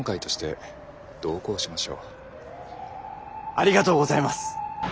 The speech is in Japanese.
ありがとうございます。